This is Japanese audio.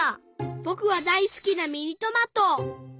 ぼくはだいすきなミニトマト。